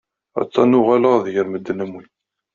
Ha-t-an uɣaleɣ-d gar medden am wi.